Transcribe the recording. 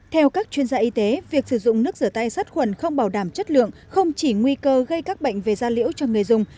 theo các chuyên gia y tế việc sử dụng nước rửa tay sát khuẩn không bảo đảm chất lượng không chỉ nguy cơ gây các bệnh về da liễu cho người dùng